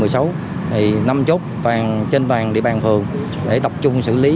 thì năm chốt toàn trên bàn địa bàn phường để tập trung xử lý